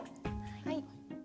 はい。